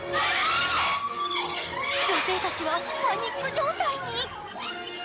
女性たちはパニック状態に。